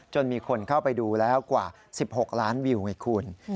มีคนเข้าไปดูแล้วกว่า๑๖ล้านวิวไงคุณ